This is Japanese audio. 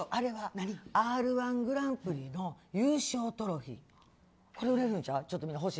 「Ｒ‐１グランプリ」の優勝トロフィー売れるんちゃう？